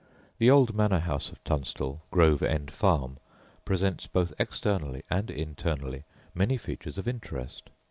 The old manor house of Tunstall, Grove End Farm, presents both externally and internally many features of interest.